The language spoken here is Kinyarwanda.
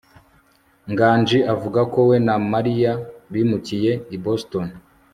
nganji avuga ko we na mariya bimukiye i boston